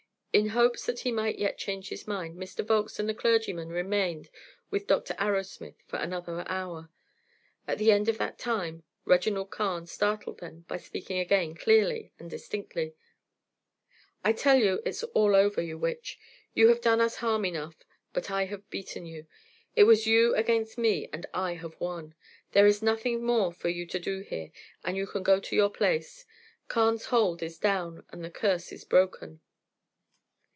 In hopes that he might yet change his mind, Mr. Volkes and the clergyman remained with Dr. Arrowsmith for another hour. At the end of that time Reginald Carne startled them by speaking again, clearly and distinctly: "I tell you it's all over, you witch; you have done us harm enough, but I have beaten you. It was you against me, and I have won. There is nothing more for you to do here, and you can go to your place. Carne's Hold is down, and the curse is broken."